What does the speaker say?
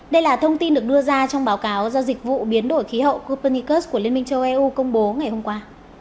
đây là thông tin được đưa ra trong báo cáo do dịch vụ biến đổi khí hậu copennicus của liên minh châu âu công bố ngày hôm qua